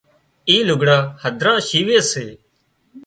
اِي لُگھڙان هڌران شيوي سي